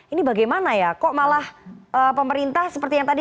ini bagaimana ya kok malah pemerintah seperti yang tadi